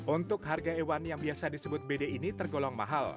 untuk harga hewan yang biasa disebut bd ini tergolong mahal